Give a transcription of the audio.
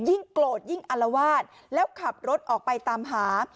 โกรธยิ่งอลวาดแล้วขับรถออกไปตามหา